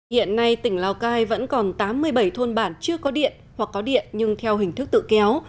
hiện nay tỉnh lào cai vẫn còn tám mươi bảy thôn bản chưa có điện hoặc có điện nhưng theo hình thức tự kéo